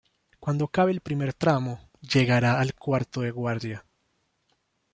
Cuando acabe el primer tramo llegará al cuarto de guardia.